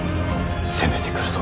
攻めてくるぞ。